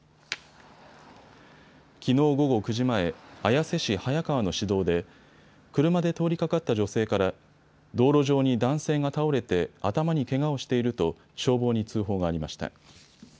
きのう午後９時前、綾瀬市早川の市道で車で通りかかった女性から道路上に男性が倒れて頭にけがをしていると消防に通報がありました。